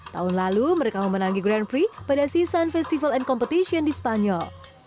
tahun lalu mereka memenangi grand prix pada season festival and competition di spanyol